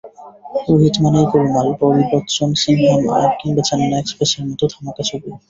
রোহিত মানেই গোলমাল, বোল বচ্চন, সিংহাম কিংবা চেন্নাই এক্সপ্রেস-এর মতো ধামাকা ছবি।